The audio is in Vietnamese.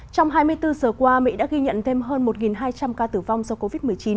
trong hai mươi bốn giờ qua mỹ đã ghi nhận thêm hơn một hai trăm linh ca tử vong do covid một mươi chín